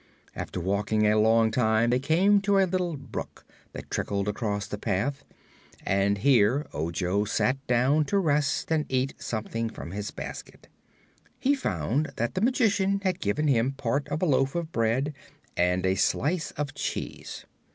After walking a long time they came to a little brook that trickled across the path, and here Ojo sat down to rest and eat something from his basket. He found that the Magician had given him part of a loaf of bread and a slice of cheese.